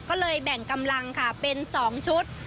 ก็เลยแบ่งกำลังค่ะเป็น๒ชุด